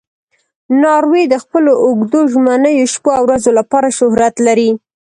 ناروی د خپلو اوږدو ژمنیو شپو او ورځو لپاره شهرت لري.